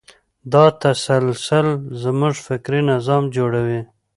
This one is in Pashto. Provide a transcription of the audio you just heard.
دا تسلسل زموږ فکري نظام جوړوي.